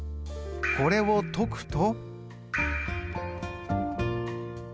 これを解くと。